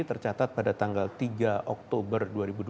tercatat pada tanggal tiga oktober dua ribu dua puluh